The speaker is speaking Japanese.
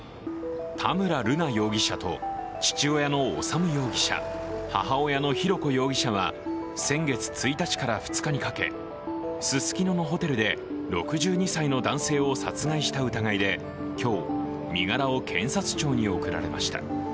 田村瑠奈容疑者と父親の修容疑者、母親の浩子容疑者は先月１日から２日にかけ、ススキノのホテルで６２歳の男性を殺害した疑いで今日、身柄を検察庁に送られました。